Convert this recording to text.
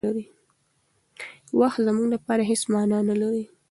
وخت زموږ لپاره هېڅ مانا نه لري.